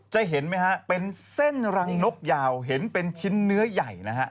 เห็นไหมฮะเป็นเส้นรังนกยาวเห็นเป็นชิ้นเนื้อใหญ่นะฮะ